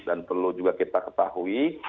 dan perlu juga kita ketahui